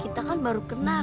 kita kan baru kenal